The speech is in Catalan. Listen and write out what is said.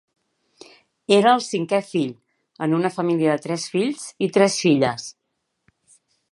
Era el cinquè fill, en una família de tres fills i tres filles.